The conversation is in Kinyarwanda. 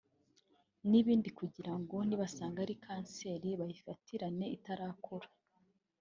n’ibindi kugirango nibasanga ari kanseri bayifatirane itarakura